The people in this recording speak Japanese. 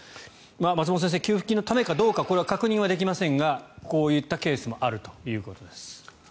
松本先生、給付金のためかどうかこれは確認できませんがこういったケースもあるということです。